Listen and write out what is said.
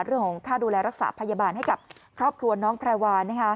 เรื่องของค่าดูแลรักษาพยาบาลให้กับครอบครัวน้องแพรวา